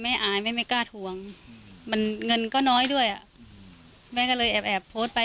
มันเงินก็น้อยด้วยอ่ะแม่ก็เลยแอบแอบโพสต์ไป